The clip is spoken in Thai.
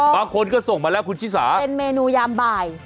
บางคนก็ส่งมาแล้วคุณชิสาเป็นเมนูยามบ่าย